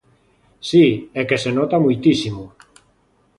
Si, é que se nota moitísimo.